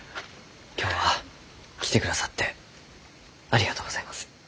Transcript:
今日は来てくださってありがとうございます。